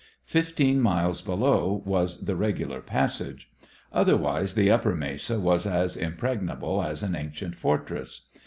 Fifteen miles below was the regular passage. Otherwise the upper mesa was as impregnable as an ancient fortress.